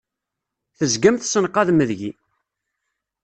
Tezgam tessenqadem deg-i!